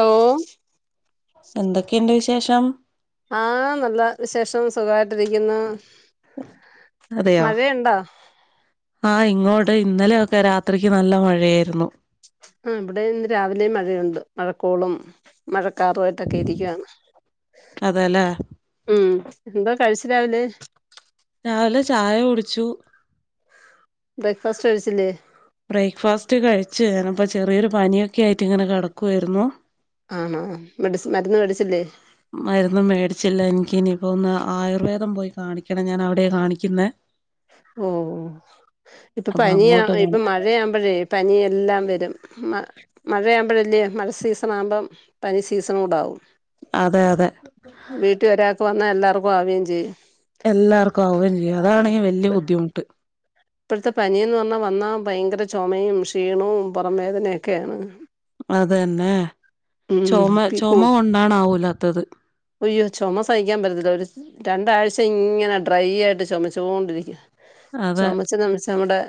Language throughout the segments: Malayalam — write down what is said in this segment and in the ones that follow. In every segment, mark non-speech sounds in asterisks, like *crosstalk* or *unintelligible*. ഹലോ എന്തൊക്കെയുണ്ട് വിശേഷം? ആഹ നല്ല വിശേഷം. സുഖായിട്ടിരിക്കുന്നു. അതെയാ. ആഹാ ഇങ്ങോട്ട്, ഇന്നലെയൊക്കെ രാത്രിക്ക് നല്ല മഴയായിരുന്നു. ആഹാ ഇവിടെ ഇന്ന് രാവിലെ മഴയുണ്ട്. മഴക്കോളും, മഴക്കാറുമായിട്ടൊക്കെ ഇരിക്കയാണ്. അതെല്ലേ ഉം എന്താ കഴിച്ചത് രാവിലെ? രാവിലെ ചായ കുടിച്ചു. ബ്രേക്ക്ഫാസ്റ്റ് കഴിച്ചില്ലേ? ബ്രേക്ക്ഫാസ്റ്റ് കഴിച്ചു. അപ്പം- ചെറിയൊരു പനിയൊക്കെ ആയിട്ട് ഇങ്ങനെ കിടക്കുകയായിരുന്നു. ആണോ മെഡിസിൻ, മരുന്ന് മേടിച്ചില്ലേ? മരുന്ന് മേടിച്ചില്ല. എനിക്ക് ഇനിയിപ്പോ ഒന്ന് ആയുർവേദം പോയി കാണിക്കണം. ഞാൻ അവിടെ കാണിക്കുന്നേ. ഓ ഇപ്പോ അപ്പൊ പനിയാ, അങ്ങോട്ട് ഇപ്പോ പോണം മഴയാവുമ്പോഴേ- പനിയെല്ലാം വരും- മഴയാകുമ്പോഴല്ലേ, മഴ സീസണ്- ആകുമ്പോം പനി സീസൺ കൂടെ ആകും. അതെ, അതെ. വീട്ടിൽ ഒരാൾക്ക് വന്നാ എല്ലാർക്കും ആവുകയും ചെയ്യും. എല്ലാർക്കും അവുകയും ചെയ്യും. അതാണ് ഈ വലിയ ബുദ്ധിമുട്ട്. ഇപ്പോഴത്തെ പനിയൊന്ന് വന്നാൽ ഭയങ്കര ചുമയും, ക്ഷീണവും പുറം വേദനയൊക്കെയാണ്. അത് തന്നെ. ഉം ചുമ, പി കൊ ചുമ കൊണ്ടണാവൂലാത്തത്. അയ്യോ, ചുമ സഹിക്കാൻ പറ്റത്തില്ല. ഒരു രണ്ടാഴ്ച ഇങ്ങനെ ഡ്രൈ- ആയിട്ട് ചുമച്ചു കൊണ്ടിരിക്കും. അതെ ചുമച്ചു ചുമച്ചു നമ്മുടെ-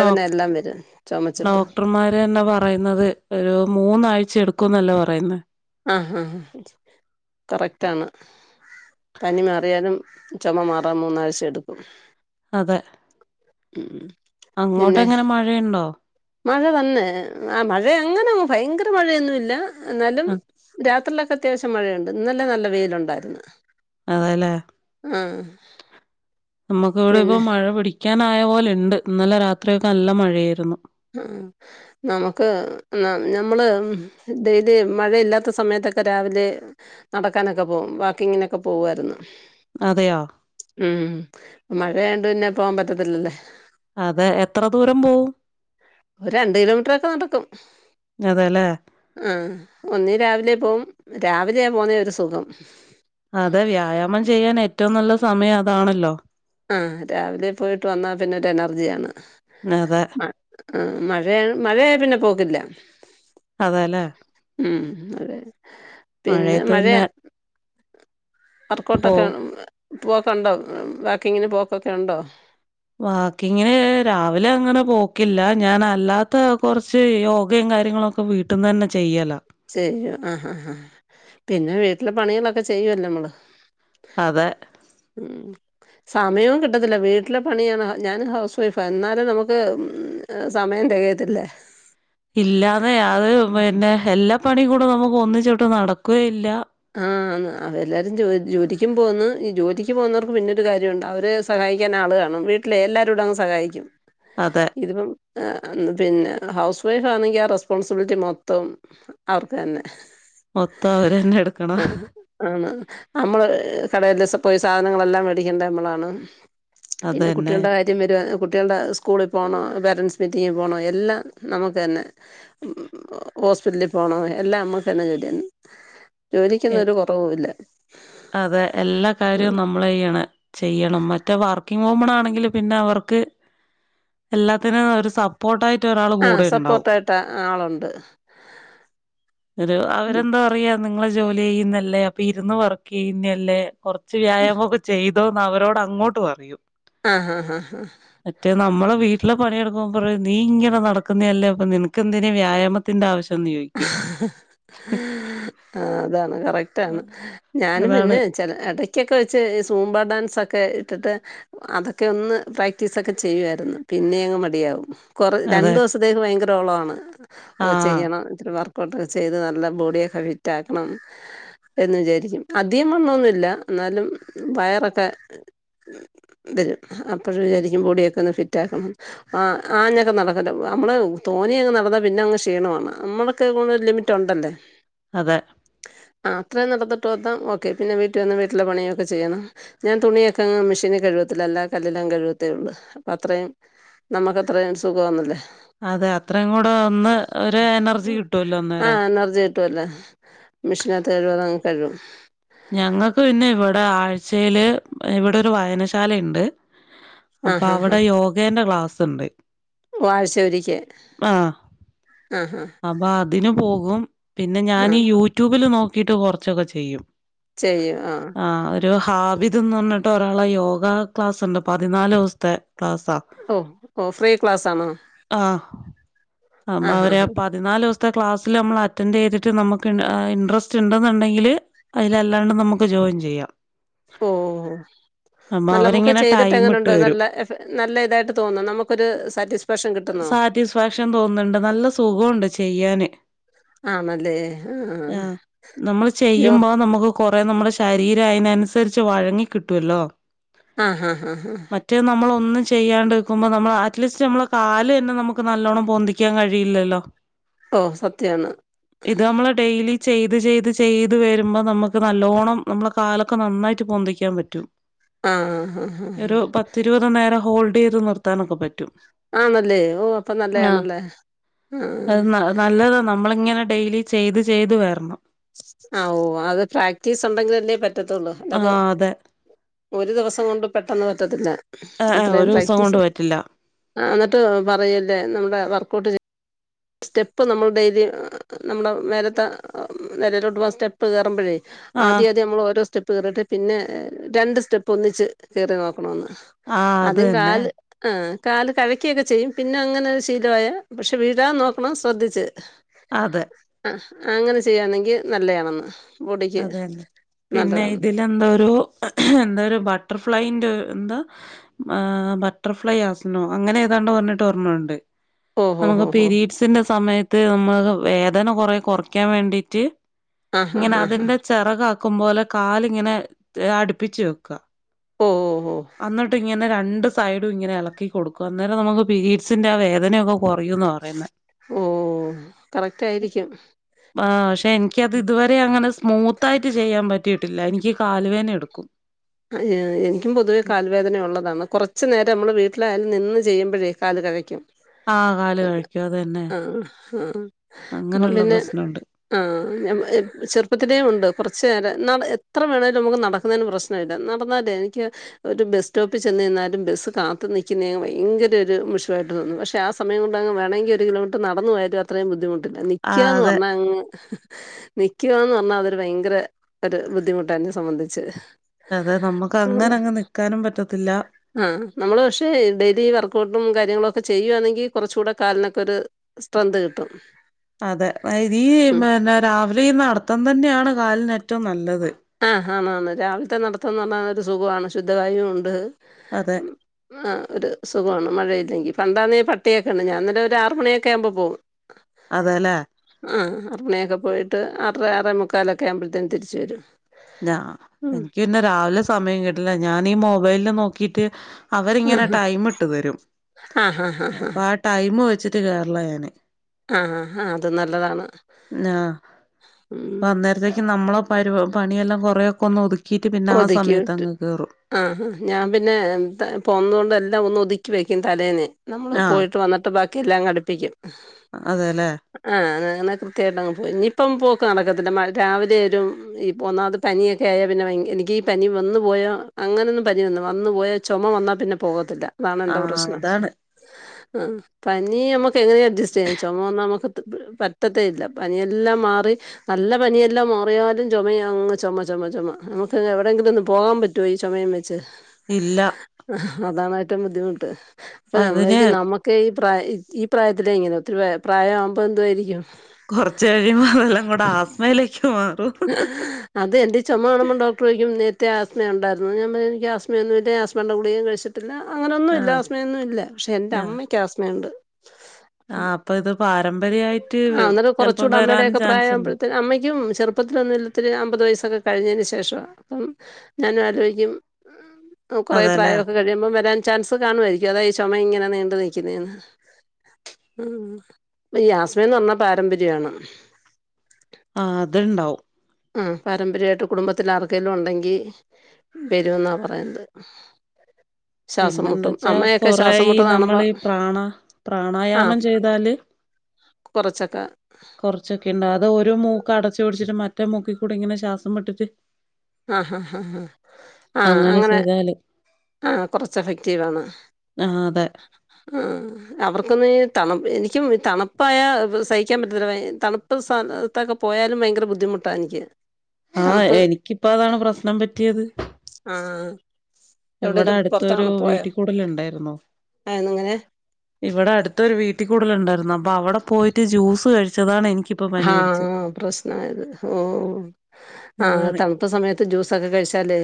ഡോ എല്ലാം വരും ചുമച്ചിട്ട് ഡോക്ടർമാര് ന്നാ പറയുന്നത്. ഒരു മൂന്നാഴ്ച എടുക്കുംന്നല്ലേ പറയുന്ന. ആഹാ ആഹാ കറക്റ്റ് ആണ്. പനി മാറിയാലും ചുമ മാറാൻ മൂന്നാഴ്ച എടുക്കും. അതെ ഉം അങ്ങോട്ട് പിന്നെ എങ്ങനെ മഴയുണ്ടോ? മഴ തന്നെ, ആഹാ മഴ അങ്ങനെ ഭയങ്കര മഴയൊന്നുമില്ല. എന്നാലും ആഹ് രാത്രിയിലൊക്കെ അത്യാവശ്യം മഴയുണ്ട്. ഇന്നലെ നല്ല വെയിലുണ്ടായിരുന്നു. അതെ ലേ. ആഹ് നമ്മുക്ക് ഇവിടെ പിന്നെ ഇപ്പം മഴ പിടിക് പിടിക്കാനായ പോലെ ണ്ട് ഇന്നലെ രാത്രിയൊക്കെ നല്ല മഴയായിരുന്നു ഉം നമുക്ക് നം നമ്മള് തേ ഇതേ മഴയില്ലാത്ത സമയത്തൊക്കെ രാവിലെ നടക്കാനൊക്കെ പോവും വാക്കിങ്ങിനൊക്കെ പോവായിരുന്നു അതെയോ ഉം മഴയായോണ്ട് പിന്നെ പോവാൻ പറ്റത്തില്ലല്ലേ അതെ എത്ര ദൂരം പോവും? ഒരു രണ്ട് കിലോമീറ്ററൊക്കെ നടക്കും അതെല്ലേ ആഹ് ഒന്നീൽ രാവിലെ പോവും രാവിലെയ പോവുന്നേ ഒരു സുഖം അതെ വ്യായാമം ചെയ്യാൻ ഏറ്റവും നല്ല സമയം അതാണല്ലോ ആഹ് രാവിലെ പോയിട്ട് വന്നാ പിന്നെ ഒരു എനർജിയാണ് അതെ ആഹ് മഴയ മഴയായ പിന്നെ പോക്കില്ല അതെല്ലേ ഉം അതെ മഴയത്ത് പിന്നെ പോ വർക്കൗട്ടൊക്കെ പോക്കൊണ്ടോ വാക്കിങ്ങിന് പോക്കൊക്കെ ഉണ്ടോ? വാക്കിങ്ങിന് രാവിലെ അങ്ങനെ പോക്കില്ല ഞാൻ അല്ലാത്ത കൊറച്ച് യോഗയും കാര്യങ്ങളൊ ഇപ്പം വീട്ട്ന്നന്നെ ചെയ്യല ചെയ്യും അഹ് അഹ് അഹ് പിന്നെ വീട്ടിലെ പണികളൊക്കെ ചെയ്യല്ലോ നമ്മള് അതെ ഉം സമയവും കിട്ടത്തില്ല വീട്ടിലെ പണിയാണ് ഞാൻ ഹൗസ് വൈഫ. എന്നാലും നമുക്ക് സമയം തെകയത്തില്ല ഇല്ലാന്നെ അത് പിന്നെ എല്ലാ പണികൂടെ നമുക്ക് ഒന്നിച്ചോട്ട് നടക്യേ ഇല്ല ആന്ന് അതെ എല്ലാരും ജോലിക്കും പോവുന്നു ഈ ജോലിക്ക് പോകുന്നവർക്ക് പിന്നെരു കാര്യമുണ്ട് അവര് സ് സഹായിക്കാൻ ആള് കാണും. വീട്ടിലെ എല്ലാരൂടെ അങ്ങ് സഹായിക്കും അതെ ഇതിപ്പം പിന്നെ ഹൗസ് വൈഫ് ആണെങ്കിൽ ആ റെസ്പോൺസിബിലിറ്റി മൊത്തം അവർക്കെന്നെ മൊത്തം അവരെന്നെ എടു ആഹ് ആണ് നമ്മള് കടേല് പോയി സാധനങ്ങളെല്ലാം മേടിക്കേണ്ട നമ്മളാണ് പിന്നെ അതന്നെ കുട്ടികളുടെ കാ *unintelligible* കുട്ടികളുടെ സ്കൂളിൽ പോണം പേരൻസ് മീറ്റിംഗിൽ പോണം എല്ലാം നമുക്ക് തന്നെ. ഹോസ്പിറ്റലിൽ പോണം എല്ലാം നമ്മക്കെന്നെ ജോലിയാണ് ജോലിക്കൊന്നും ഒരു കുറവൂല്ല. അതെ എല്ലാ കാര്യവും നമ്മളയ്യണ ചെയ്യണം മറ്റേ വർക്കിങ് വുമൺ ആണെങ്കില് പിന്നെ അവർക്ക് എല്ലാത്തിനും ഒരു സ പോട്ടായിട്ട് ഒരാള് ആഹ് സപ്പോർട്ടായിട്ട് ആളുണ്ട്. ഒരു അവരെന്താ പറയാ നിങ്ങള് ജോലി ചെയ്യുന്നല്ലേ അപ്പൊ ഇരുന്ന് വർക്ക് ചെയ്യുന്ന്യല്ലേ കൊർച്ച് വ്യായാമൊക്കെ ചെയ്തോന്ന് അവരോട് അങ്ങോട്ട് പറയും. ആഹ് ആഹ് ആഹ് ആഹ് മറ്റേ നമ്മള് വീട്ടില് പണിയെടുക്കുമ്പ പറിം നീ ഇങ്ങനെ നടക്കുന്ന്യെല്ലേ അപ്പൊ നിനക്കെന്തിന് വ്യായാമ ത്തിന്റെ ആവശ്യന്ന് ചോയ്ക്ക്യും ആഹ് അതാണ് കറക്റ്റാണ് ഞാനും അതാണ് പിന്നെ ചെല എടക്ക്യൊക്കെ വെച്ച് സൂമ്പാ ഡാൻസൊക്കെ ഇട്ടിട്ട് അതൊക്കെ ഒന്ന് പ്രാക്ടീസൊക്കെ ചെയ്യുവായിരുന്നു. പിന്നെ അങ്ങ് മടിയാവും കുറ അതെ രണ്ടു ദിവസത്തേക്ക് ഭയങ്കരോളവാണ് ഓഹ് ആഹ് ചെയ്യണം ത്തിരി വർക്കഔട്ടൊക്കെ ചെയ്ത് നല്ല ബോഡിയൊക്കെ ഫിറ്റാക്കണം. എന്ന് വിചാരിക്കും അധികം വണ്ണൊന്നുല്ല എന്നാലും വയറൊക്കെ വരും അപ്പഴ് വിചാരിക്കും ബോഡിയൊക്കെ ഒന്ന് ഫിറ്റാക്കണം. ആഹ് ആഞ്ഞൊക്കെ നടക്കട്ടെ നമ്മള് തോനയങ്ങ് നടന്നാ പിന്നെ അങ്ങ് ക്ഷീണമാണ് നമ്മള് ക്ക് ലിമിറ്റ്ണ്ടല്ലേ? അതെ അത്ര നടന്നിട്ട് ന്നാ ഓക്കെ പിന്നെ വീട്ടിൽ വന്ന് വര്ല പണിയക്കെ ചെയ്യണം. ഞാൻ തുണിയക്കെ അങ്ങ് മെഷീന് കഴിവത്തില്ല അല്ലാ കല്ലിൽ കഴിവത്തേ ഉള്ളൂ അപ്പ അത്രേ നമുക്ക് അത്രയും സുഖമാന്നല്ലേ. അതെ അത്രയും കൂടെ ഒന്ന് ഒരു എനർ ആഹ് എനർജി കിട്ടുവല്ലേ മെഷീനകത്ത് കഴുവാതെ അങ്ങ് കഴുകും. ഞങ്ങൾക്ക് പിന്നെ ഇവടെ ആഴ്ച്ചേൽ ഇവടെ ഒരു വായനശാല ഇണ്ട്. ആ അപ്പ ഹാ അവടെ യോഗേന്റെ ക്ലാസ്സ്ണ്ട്. വാഹ്ച ഒരിക്കേ ആഹ് ആഹ് ആഹ് അപ്പ അതിന് പോകും പിന്നെ ആ ഞാനി യൂട്യൂബില് നോക്കിട്ട് കൊറച്ചൊക്കെ ചെയ്യും. ചെയ്യും ആഹ് ആഹ് ഒരു ഹാബിത് ന്ന് ർഞ്ഞിട്ട് ഒരാളെ യോഗ ക്ലാസ്ണ്ട് പതിനാല് ദിവസത്തെ ക്ലാസ്സാ. ഓഹ് ഓഫ്രീ ക്ലാസ്സ് ആണോ ആഹ് ആഹ് ആഹ് പതിന്നാല് ദിവസത്തെ ക്ലാസ്സിൽ നമ്മൾ അറ്റൻഡ് യ്തിട്ട് നമുക്ക് ഇൻ ഇൻട്രസ്റ്റ് ഇണ്ടെന്നുണ്ടെങ്കില് അതിലല്ലാണ്ട് നമുക്ക് ജോയിൻ ചെയ്യാം. ഓഹ് അപ്പൊ നല്ല നമുക്ക് അവരിങ്ങനെ ചെയ്തിട്ട് ടൈം ഇട്ട് എങ്ങനുണ്ട് തരും നല്ല എഫ നല്ല ഇതായിട്ട് തോന്നുന്നോ നമുക്കൊരു സാറ്റിസ്ഫാക്ഷൻ കിട്ടുന്നോ? സാറ്റിസ്ഫാക്ഷൻ തോന്നുണ്ട് നല്ല സുഖോണ്ട് ചെയ്യാന്. ആന്നല്ലേ? ആഹ് നമ്മള് ചെയ്യുമ്പോ നമുക്ക് കൊറെ നമ്മുടെ ശരീരം അയിനൻസരിച്ച് വഴങ്ങി കിട്ടുവല്ലോ. ആഹ് ഹാ ഹാ ഹാ മറ്റേ നമ്മളൊന്നും ചെയ്യാണ്ട് നിക്കുമ്പോൾ നമ്മൾ അറ്റ്ലീസ്റ്റ് നമ്മള് കാലന്നെ നമുക്ക് നല്ലോണം പൊന്തിക്കാൻ കഴിയില്ലല്ലോ. ഓഹ് സത്യാണ് ഇത് നമ്മള് ഡെയിലി ചെയ്ത് ചെയ്ത് ചെയ്ത് വരുമ്പം നമുക്ക് നല്ലോണം നമ്മള കാലൊക്കെ നന്നായിട്ട് പൊന്തിക്കാൻ പ റ്റും ആഹ് ഹ് ഹ് ഹ് പത്ത് ഇരുപത് നേരം ഹോൾഡ് യ്ത് നിർത്താനൊക്കെ പറ്റും. ആണല്ലേ ഓഹ് അപ്പ ആഹ് നല്ലയാണല്ലേ. ആഹ് അത് ന നല്ലതാ നമ്മള് ഇങ്ങനെ ഡെയിലി ചെയ്ത് ചെയ്ത് വര്ണം. ആഹ് ഓഹ് അത് പ്രാക്ടീസ് ഉണ്ടെങ്കിലല്ലേ പറ്റത്തുള്ളൂ ആഹ് അല്ലാതേ അതെ ഒരു ദിവസം കൊണ്ട് പെട്ടെന്ന് പറ്റത്തില്ല. ഏഹ് ഏഹ് അത്രയും ഒരു ദിവസം കൊണ്ട് പ്രാക്ടീസ് പറ്റില്ല ആഹ് ന്നട്ട് പറയല്ലേ നമ്മുടെ വർക്ക്ഔട്ട് ചെ സ്റ്റെപ്പ് നമ്മൾ ഡെയിലി നമ്മള് മേലത്തെ നിലയിലോട്ട് പോണ സ്റ്റെ പ്പ് കേറുമ്പഴേ ആഹ് ആദ്യം ആദ്യ നമ്മൾ ഓരോ സ്റ്റെ പ്പ്‌ കേറിട്ട് പിന്നെ രണ്ട് സ്റ്റെപ്പ്‌ ഒന്നിച്ച് കേറി നോക്കണന്ന്. ആഹ് അത് ആദ്യം തന്നെ കാല് ആഹ് കാല് കഴക്കിയൊക്കെ ചെയ്യും പിന്നെ അങ്ങനെ ഒരു ശീലമായ പക്ഷെ വീഴാതെ നോക്കണം ശ്രദ്ധിച്ച്. അതെ ആഹ് അങ്ങനെ ചെയ്യാണെങ്കി നല്ലയാണെന്ന് ബോഡിക്ക് നല്ലതാണ്. എന്തൊരു എന്തേരു ബട്ടർഫ്ലൈന്റെ എന്താ ആഹ് ബട്ടർഫ്ലൈ ആസനോ അങ്ങനെ ഏതാണ്ട് പറഞ്ഞിട്ട് ഒര്ണണ്ട്. ഓഹോ നമുക്ക് ഹോ ഹോ പിരീഡ്സിന്റെ സമയത്ത് നമ്മക്ക് വേദന കൊറേ കുറയ്ക്കാൻ വേണ്ടിട്ട് ആഹ് ആഹ് ആഹ് ആഹ് ചെറകാക്കുംപോലെ കാലിങ്ങനെ അടുപ്പിച്ച് വെക്കാം ഓ ഓഓ എന്നിട്ട് ഇങ്ങനെ രണ്ട് സൈഡും ഇങ്ങനെ ഇളക്കി കൊടുക്കും അന്നേരം നമുക്ക് പീഡ്സിൻന്റെ ആഹ് വേദനയൊക്കെ കൊറയൂന്ന് പറയുന്ന ഓഹ് ക്ഷെ കറക്റ്റായിരിക്കും ആഹ് പക്ഷെ എനിക്കത് ഇതുവരെ അങ്ങനെ സ്മൂത് ആയിട്ട് ചെയ്യാൻ പറ്റിയിട്ടില്ല എനിക്ക് കാൽവേന എടുക്കും അ എനിക്കും പൊതുവേ കാൽ വേദന ഉള്ളതാണ് കുറച്ച് നേരം നമ്മൾ വീട്ടിലായാൽ നിന്ന് ചെയ്യുമ്പോഴേ കാൽ കഴക്കും ആ കാല് കഴക്കും അത് തന്നെ ആഹ് ആഹ് അപ്പം അങ്ങനെയുള്ള പിന്നെ പ്രശ്നമുണ്ട് ആഹ് ഞൻ ചെറുപ്പത്തിലേ ഉണ്ട് കുറച്ചു നേരം എത്ര വേണമെങ്കിലും നമുക്ക് നടക്കുന്നതിന് പ്രശ്നം നടന്ന് നടന്ന് *unintelligible* എനിക്ക് ഒരു ബസ് സ്റ്റോപ്പിൽ ചെന്ന് നിന്നാലും ബസ് കാത്തു നിൽക്കുന്ന ഭയങ്കര ഒരു മഷുവായിട്ട് തോന്നു പക്ഷെ ആഹ് സമയം കൊണ്ട് അങ്ങ് വേണമെങ്കി ഒരു കിലോമീറ്റർ നടന്നു പോയാലും അത്രയും ബുദ്ധിമുട്ടില്ല നിക്ക്യാന്ന് അതെ പറഞ്ഞാ അങ്ങ് നിക്ക്യാന്ന് പറഞ്ഞാൽ അതൊരു ഭയങ്കര ഒരു ബുദ്ധിമുട്ട എന്നെ സംബന്ധിച്ച് അതെ നമുക്ക് അങ്ങനെ ആഹ് അങ്ങ് നിക്കാനും പറ്റത്തില്ല ആഹ് നമ്മള് പക്ഷേ ഡെയിലി വർക്കഔട്ടും കാര്യങ്ങളും ഒക്കെ ചെയ്യുവാണെങ്കിൽ കുറച്ചു കൂടെ കാലിനൊക്കെ ഒരു സ്ട്രെന്ത് കിട്ടും അതെ ഈ ഉം പിന്നെ രാവിലെ ഈ നടത്തം തന്നെയാണ് കാലിന് ഏറ്റവും നല്ലത് ആഹ് ആന്ന് ആന്ന് രാവിലത്തെ നടത്തന്ന് പറഞ്ഞ ഒരു സുഖമാണ് ശുദ്ധവായും ഉണ്ട് അതെ ആഹ് ഒരു സുഖമാണ് മഴയില്ലെങ്കിൽ പണ്ടാന്നെ പട്ടിയൊക്കെ ഉണ്ട് ഞാൻന്നല ഒരു ആറ് മണിയൊക്കെ ആകുമ്പോ പോകും *inaudible* അതെല്ലേ ആഹ് ആറുമണിക്ക് പോയിട്ട് ആറര ആറേമുക്കാലൊക്കെ ആമ്പഴത്തേും തിരിച്ചു വരും ഞാ ഉം എനിക്ക് പിന്നെ രാവിലെ സമയം കിട്ടില്ല ഞാനീ മൊബൈലില് നോക്കിട്ട് അവരിങ്ങനെ ടൈം ഇട്ട് തരും ആ ആ ആ അപ്പൊ ആഹ് ടൈമ് വെച്ചിട്ട് കേറലാ ഞാന് ആ ആ ആ ആ അത് നല്ലതാണ് ആഹ് അപ്പൊ ഉം അന്നേരത്തേക്ക് നമ്മള പരിവ പണിയെല്ലാം കുറെയൊക്കെ ഒന്ന് ഒതുക്കിയിട്ട് പിന്നെ ആഹ് സമയത്തങ്ങ് കേറും ആഹ് ഞാൻ പിന്നെ പോന്നത് കൊണ്ട് എല്ലാം ഒന്ന് ഒതുക്കി വെക്കും തലേന്നെ നമ്മള് ആ പോയിട്ട് വന്നിട്ട് ബാക്കി എല്ലാം അങ്ങടുപ്പിക്കും അതെല്ലേ ആഹ് അങ്ങനെ കൃത്യമായിട്ടങ്ങ് പോയി ഇനിയിപ്പം പോക്ക് നടക്കത്തില്ല മ രാവിലെ വരും ഇപ്പോ ഒന്നാമത് പനിയൊ ഒക്കെ ആയ പിന്നെ ഭയ എനിക്ക് ഈ പനി വന്നു പോയ അങ്ങനെയൊന്നും പനി വന്നു വന്നു പോയ ചുമ വന്നാ പിന്നെ പോകത്തില്ല ആ അതാണ്ൻ്റെ പ്രശ്നം അതാണ് ആഹ് പനി നമുക്ക് എങ്ങനെയും അഡ്ജസ്റ്റ് ചെയ്യാം ചുമ വന്ന നമുക്ക് പറ്റത്തേ ഇല്ല പനിയെല്ലാം മാറി നല്ല പനിയെല്ലാം മാറിയാലും ചുമ അങ്ങ് ചുമ ചുമ ചുമാ നമുക്ക് എവിടെയെങ്കിലും ഒന്ന് പോകാൻ പറ്റോ ഈ ചുമയും വെച്ച് ഇല്ല അതാണ് ഏറ്റവും ബുദ്ധിമുട്ട് അപ്പൊ അതിന് നമ്മകും നമ്മ ക്കെ ഈ പ്രായ ഈ പ്രായത്തില ഇങ്ങനെ ഒത്തിരി പ്രായ ആവുമ്പോ എന്തുായിരിക്കും കുറച് കഴിയ്പോ അതെല്ലാം കൂടെ ആസ്മയിലേക്ക് മാറും *unintelligible* അത് എന്റെ ചുമ കാണുമ്പോ ഡോക്ടർ ചോദിക്കും നേരത്തെ ആസ്മ ഉണ്ടായിരുന്നോ ഞ പറയും എനിക്ക് ആസ്മയൊന്നുല്ല ആസ്മന്റെ ഗുളികേം കഴിച്ചി ട്ടില്ല അങ്ങനൊന്നുല്ല ആഹ് ആസ്മയൊന്നും ഇല്ല പക്ഷെ എൻ്റെ ആഹ് അമ്മയ്ക്ക് ആസ്മയുണ്ട് അപ്പൊ ആഹ് ഇത് പാരമ്പര്യായിട്ട് ആഹ് അന്നരം ചെലപ്പം കുറച്ചുകൂടെ വരാനും അമ്മയുടെക്കെ ചാൻസ് ഉണ്ട് പ്രായാകുമ്പോഴതേ ആഹ് അമ്മയ്ക്കും ചെറു മുപ്പത്തിൊന്ന് ഇല്ലത്തിരി അമ്പത് വയസ്സൊക്കെ കഴിഞ്ഞതിന് ശേഷമാണ് അപ്പം ഞാൻ ആലോചിക്കും കൊറെ അതെല്ലേ പ്രായമൊക്കെ കഴിയുമ്പം വരാൻ ചാൻസ് കാണുമായിരിക്കും അതാ ഈ ചുമ ഇങ്ങനെ നീണ്ട് നിൽക്കുന്ന ഉം ഈ ആസ്മന്ന് പറഞ്ഞ പാരമ്പര്യമാണ് ആഹ് അത്ണ്ടാവും ഉം പാരമ്പര്യമായിട്ട് കുടുംബത്തിൽ ആർകേലും ഉണ്ടെങ്കി വരുമെന്നാ പറയുന്നത് *inaudible* ശ്വാസം പിന്നെന്താ മുട്ടും വെച്ചാ അമ്മയൊക്കെ കൊറേ ശ്വാസം ഈ മുട്ട് കാണുമ്പോ നമ്മളീ പ്രാണ ആഹ് പ്രാണായാമം ചെയ്താല് കുറച്ചൊക്കെ കുറച്ചൊക്കെ ഉണ്ട് അത് ഒരു മൂക്ക് അടച്ചു പിടിച്ചിട്ട് മറ്റേ മൂക്കിക്കൂടി ഇങ്ങനെ ശ്വാസം വിട്ടിട്ട് ആഹ് ഹാ ഹാ ഹാ ആഹ് അങ്ങനെ ആഹ് കൊറച്ച് എഫക്റ്റീവാണ് ആഹ് അതെ ആഹ് അവർക്കൊന്നു ഈ തണുപ്പ് എനിക്കും തണുപ്പായ സഹിക്കാൻ പറ്റത്തില്ല ഭയ തണു ത സ്ഥലത്തൊക്കെ പോയാലും ഭയങ്കര ബുദ്ധിമുട്ടാണ് എനിക്ക് ആഹ് തണുപ്പ് എനിക്കിപ്പ അതാണ് പ്രശ്നം പറ്റിയത് ആഹ് ഇവിടെ അടുത്തൊരു വീട്ടി കൂടൽ ഉണ്ടായിരുന്നു എങ്ങനെ ഇവിടെ അടുത്തൊരു വീട്ടി കൂടുൽ ഉണ്ടായിരുന്നു അപ്പൊ അവിടെ പോയിട്ട് ജ്യൂസ് കഴിച്ചതാണ് എനിക്ക് ആഹ് പ്രശ്നായത് ഓഹ് ആഹ് അതാണ് തണുത്ത സമയത്ത് ജ്യൂസൊക്കെ കഴിച്ചാല്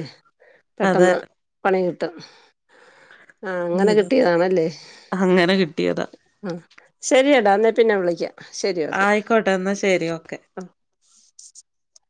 അതെ പെട്ടെന്ന് പണി കിട്ടും ആഹ് നീ അങ്ങനെ ഇതൊന്ന് കിട്ടിയതാണല്ലേ അങ്ങനെ കിട്ടിയതാ അഹ് ശരിയെടാ ഇന്നേ പിന്നെ വിളിക്കാം ശരി ഓക്കെ ആയിക്കോട്ടെ എന്നാ ശരി ഓക്കെ *unintelligible*